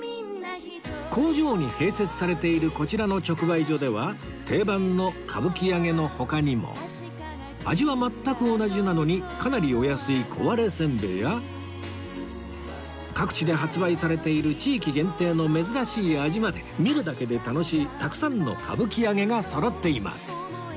工場に併設されているこちらの直売所では定番の歌舞伎揚の他にも味は全く同じなのにかなりお安いこわれせんべいや各地で発売されている地域限定の珍しい味まで見るだけで楽しいたくさんの歌舞伎揚がそろっています